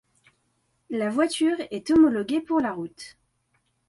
La voiture est homologuée pour la route.